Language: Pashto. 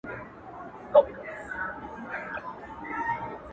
د سالم سنتيز په بڼه اوږدمهاله اغېز ولري